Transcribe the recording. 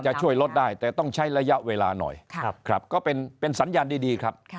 ช่วยลดได้แต่ต้องใช้ระยะเวลาหน่อยครับก็เป็นสัญญาณดีครับ